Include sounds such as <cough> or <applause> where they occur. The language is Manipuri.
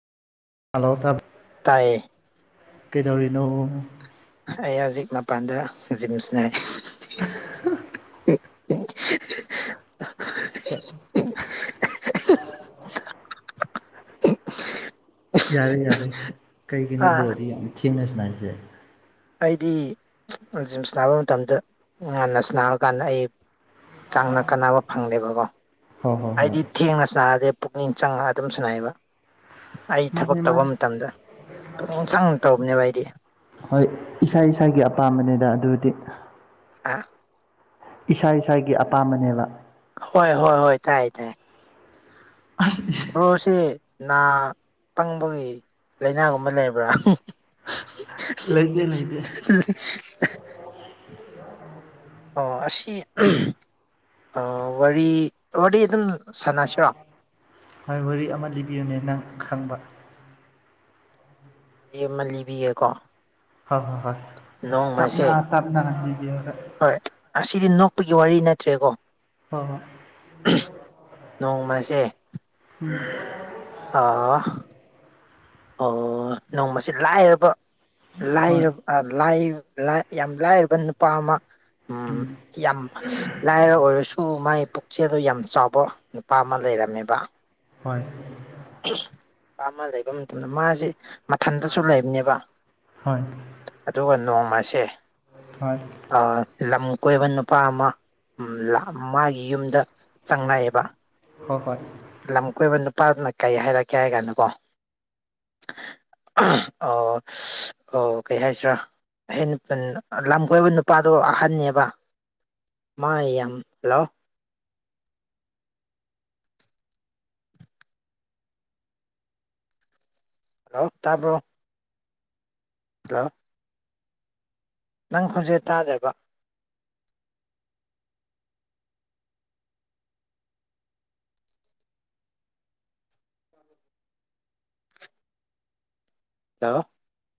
ꯑꯂꯥꯎꯗꯤꯟ ꯇꯥꯏꯌꯦ ꯀꯩꯗꯧꯔꯤꯅꯣ ꯑꯩ ꯍꯧꯖꯤꯛ ꯃꯄꯥꯟꯗ ꯖꯤꯝ ꯁꯥꯟꯅꯩ <unintelligible> ꯀꯩ ꯌꯥꯔꯦ ꯌꯥꯔꯦ ꯀꯩꯒꯤꯅꯣ ꯑꯥ ꯕꯣꯜꯗꯤ ꯌꯥꯝ ꯊꯦꯡꯅ ꯁꯥꯟꯅꯩꯁꯦ ꯑꯩꯗꯤ ꯖꯤꯝ ꯁꯥꯟꯅꯕ ꯃꯇꯝꯗ ꯉꯟꯅ ꯁꯥꯟꯅꯕ ꯀꯥꯟ ꯑꯩ ꯍꯛꯆꯥꯡꯅ ꯀꯥꯟꯅꯕ ꯐꯪꯗꯦꯕꯀꯣ ꯍꯣꯏ ꯍꯣꯏ ꯍꯣꯏ ꯑꯩꯗꯤ ꯊꯦꯡꯅ ꯁꯥꯟꯅꯔꯗꯤ ꯄꯨꯛꯅꯤꯡ ꯆꯪꯉ ꯑꯗꯨꯝ ꯁꯥꯟꯅꯩꯕ ꯑꯩ ꯊꯥꯕꯛ ꯃꯥꯅꯦ ꯇꯧꯕ ꯃꯥꯅꯦ ꯃꯇꯝꯗ ꯄꯨꯛꯅꯤꯡ ꯆꯪꯅ ꯇꯧꯕꯅꯦꯕ ꯑꯩꯗꯤ ꯍꯣꯏ ꯏꯁꯥ ꯏꯁꯥꯒꯤ ꯑꯄꯥꯝꯕꯅꯤꯗ ꯑꯗꯨꯗꯤ ꯑꯥ ꯏꯁꯥ ꯏꯁꯥꯒꯤ ꯑꯄꯥꯝꯕꯅꯦꯕ ꯍꯣꯏ ꯍꯣꯏ ꯍꯣꯏ ꯇꯥꯏ ꯇꯥꯏ ꯑꯁ ꯕ꯭ꯔꯣꯁꯦ ꯅꯥ ꯄꯪꯕꯒꯤ ꯂꯥꯏꯅꯒꯨꯝꯕ ꯂꯩꯕ꯭ꯔꯥ ꯂꯩꯇꯦ ꯂꯩꯇꯦ <unintelligible> ꯑꯣ ꯑꯁꯤ ꯋꯥꯔꯤ ꯋꯥꯔꯤ ꯑꯗꯨꯝ ꯁꯥꯟꯅꯁꯤꯔꯣ ꯍꯣꯢ ꯋꯥꯔꯤ ꯑꯃ ꯂꯤꯕꯤꯌꯣꯅꯦ ꯅꯪ ꯈꯪꯕ꯫ ꯋꯥꯔꯤ ꯑꯃ ꯂꯤꯕꯤꯒꯦꯀꯣ꯫ ꯍꯣꯏ ꯍꯣꯏ ꯍꯣꯏ ꯅꯣꯡꯃꯁꯦ ꯇꯞꯅ ꯇꯞꯅ ꯂꯤꯕꯤꯌꯣ ꯍꯣꯢ ꯍꯣꯏ ꯑꯁꯤꯗꯤ ꯅꯣꯛꯄꯒꯤ ꯋꯥꯔꯤ ꯅꯠꯇ꯭ꯔꯦꯀꯣ꯫ ꯍꯣꯏ ꯍꯣꯏ ꯅꯣꯡꯃꯁꯦ ꯎꯝ꯫ ꯑꯥ ꯑꯣ ꯅꯣꯡꯃꯁꯤ ꯂꯥꯏꯔꯕ ꯍꯣꯏ ꯍꯣꯏ ꯂꯥꯢꯔ ꯂꯥꯢ ꯂꯥꯢ ꯌꯥꯝ ꯂꯥꯏꯔꯕ ꯅꯨꯄꯥ ꯑꯃ ꯎꯝ ꯌꯥꯝ ꯂꯥꯏꯔ ꯑꯣꯏꯔꯁꯨ ꯑꯗꯨꯕꯨ ꯃꯥꯥꯏ ꯄꯨꯛꯆꯦꯜꯗꯨ ꯌꯥꯝ ꯆꯥꯎꯕ ꯅꯨꯄꯥ ꯑꯃ ꯂꯩꯔꯝꯃꯦꯕ꯫ ꯍꯣꯏ꯫ ꯅꯨꯄꯥ ꯑꯃ ꯂꯩꯕ ꯃꯇꯝꯗ ꯃꯥꯁꯦ ꯃꯊꯟꯇꯁꯨ ꯂꯩꯕꯅꯦꯕ꯫ ꯍꯣꯏ꯫ ꯑꯗꯨꯒ ꯅꯣꯡꯃꯁꯦ꯫ ꯍꯣꯏ꯫ ꯂꯝ ꯀꯣꯏꯕ ꯅꯨꯄꯥ ꯑꯃ ꯃꯥꯒꯤ ꯌꯨꯝꯗ ꯆꯪꯂꯛꯑꯦꯕ꯫ ꯍꯣꯏ ꯍꯣꯏ꯫ ꯂꯝ ꯀꯣꯏꯕ ꯅꯨꯄꯥꯗꯨꯅ ꯀꯩ ꯍꯥꯏꯔꯛꯀꯦ ꯍꯥꯏ ꯀꯥꯟꯗꯀꯣ ꯑꯣ ꯑꯣ ꯀꯩ ꯍꯥꯏꯁꯤꯔꯥ ꯍꯦꯟ ꯄꯟ ꯂꯝ ꯀꯣꯏꯕ ꯅꯨꯄꯥꯗꯣ ꯑꯍꯟꯅꯦꯕ ꯃꯥ ꯌꯥꯝ ꯍꯜꯂꯣ ꯍꯜꯂꯣ ꯇꯥꯔꯕ꯭ꯔꯣ꯫ ꯍꯜꯂꯣ꯫ ꯅꯪ ꯈꯣꯟꯖꯦꯜ ꯇꯥꯗ꯭ꯔꯦꯕ꯫ ꯍꯜꯂꯣ꯫